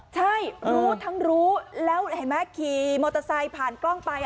ใช่รู้ทั้งรู้แล้วเห็นไหมขี่มอเตอร์ไซค์ผ่านกล้องไป